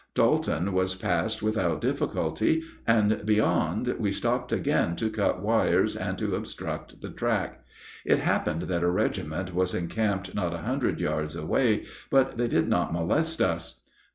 Dalton was passed without difficulty, and beyond we stopped again to cut wires and to obstruct the track. It happened that a regiment was encamped not a hundred yards away, but they did not molest us.